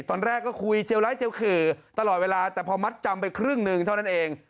ตอนแรกก็คุยเจียวร้ายเจียวขื่อตลอดเวลาแต่พอมัดจำไปครึ่งหนึ่งเท่านั้นเอง